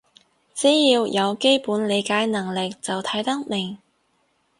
只要有基本理解能力就睇得明